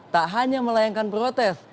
tak hanya melayangkan protes